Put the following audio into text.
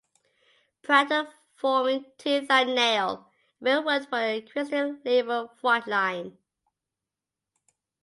Prior to forming Tooth and Nail, Ebel worked for the Christian label Frontline.